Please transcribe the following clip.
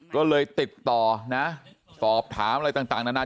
ก็เลยติดต่อนะสอบถามอะไรต่างนานา